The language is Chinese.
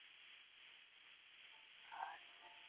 归正会教堂。